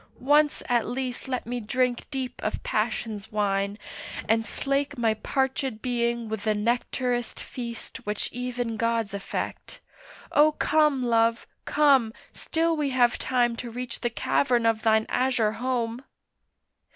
once at least Let me drink deep of passion's wine, and slake My parchèd being with the nectarous feast Which even gods affect! O come, Love, come, Still we have time to reach the cavern of thine azure home.